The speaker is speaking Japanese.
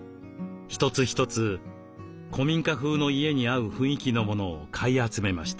一つ一つ古民家風の家に合う雰囲気のものを買い集めました。